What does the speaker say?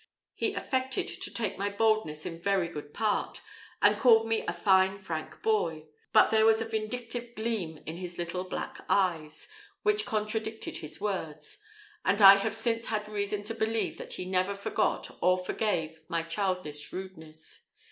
He affected to take my boldness in very good part, and called me a fine frank boy; but there was a vindictive gleam in his little black eyes, which contradicted his words; and I have since had reason to believe that he never forgot or forgave my childish rudeness.